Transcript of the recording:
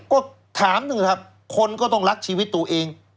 ก็ถามนั่นแหละครับคนก็ต้องรักชีวิตตัวเอง